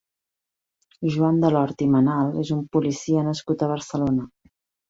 Joan Delort i Menal és un policia nascut a Barcelona.